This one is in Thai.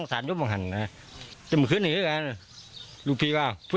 โอ้ยผมเปิดไว้ผมครับจริงแหละด่วนล้วน